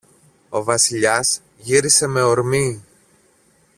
Ο Βασιλιάς γύρισε με ορμή.